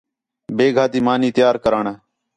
بیگھا تی مانی تیار کرݨ